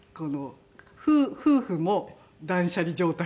夫婦も断捨離状態で。